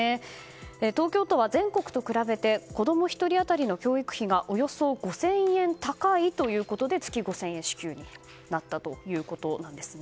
東京都は全国と比べて子供１人当たりの教育費がおよそ５０００円高いということで月５０００円支給になったということなんですね。